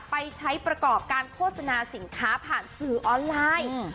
ไปใช้ประกอบการโฆษณาสินค้าผ่านสื่อออนไลน์